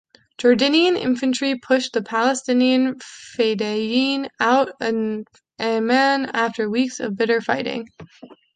Jordanian infantry pushed the Palestinian fedayeen out of Amman after weeks of bitter fighting.